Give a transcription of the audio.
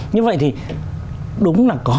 như vậy thì đúng là có